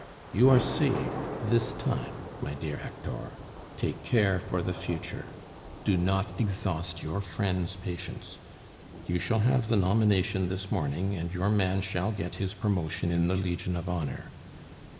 You are saved this time, my dear Hector; take care for the future. Do not exhaust your friends' patience. You shall have the nomination this morning, and your man shall get his promotion in the Legion of Honor.